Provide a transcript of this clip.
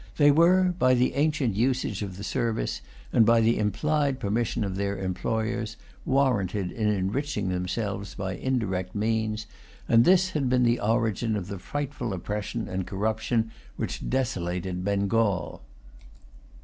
They were, by the ancient usage of the service, and by the implied permission of their employers, warranted in enriching themselves by indirect means; and this had been the origin of the frightful oppression and corruption which had desolated Bengal.